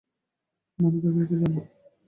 মনে থাকে যেনো।